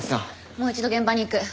もう一度現場に行く。